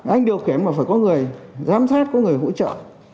anh điều khiển mà phải có người giám sát có người hỗ trợ